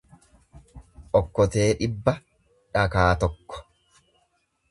Okkotee dhibba dhakaa tokko.